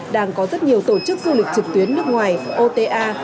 đang có rất nhiều tổ chức du lịch trực tuyến nước ngoài ota